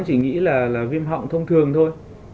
chỉ nghĩ là viêm họng thông thường thôi